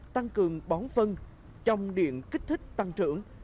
tăng cường bón phân trong điện kích thích tăng trưởng